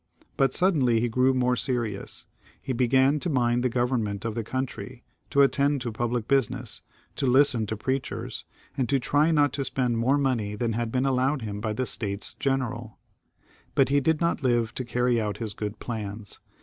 But suddenly he grew more serious; he began to mind the government of the country, to attend to public business, to listen to preachers, and to try not to spend more money than had been allowed him by the States General But he did not live to carry out his good plans.